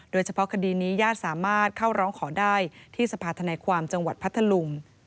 โดยเฉพาะคดีนี้ญาติสามารถเข้าร้องขอได้ที่สภาธนาความจังหวัดพัทธลุง